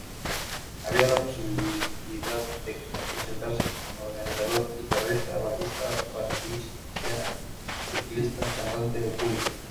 Había la posibilidad de presentarse como organizador, guitarrista, bajista, batería, teclista, cantante o público.